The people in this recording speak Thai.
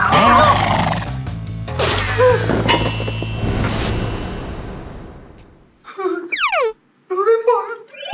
น้องสายฝน